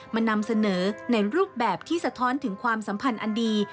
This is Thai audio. นำเสนอในรูปแบบที่สะท้อนถึงความสัมพันธ์อันดี